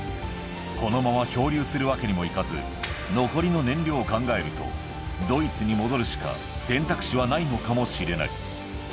このまま漂流するわけにもいかず、残りの燃料を考えると、ドイツに戻るしか選択肢はないのかもしれない。